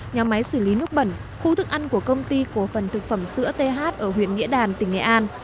nhà máy xử lý nước bẩn khu thức ăn của công ty cổ phần thực phẩm sữa th ở huyện nghĩa đàn tỉnh nghệ an